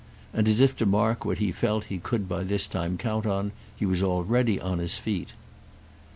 And as if to mark what he felt he could by this time count on he was already on his feet.